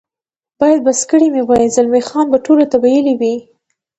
باید بس کړي مې وای، زلمی خان به ټولو ته ویلي وي.